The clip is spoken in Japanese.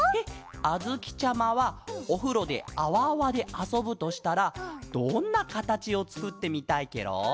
あづきちゃまはおふろであわあわであそぶとしたらどんなかたちをつくってみたいケロ？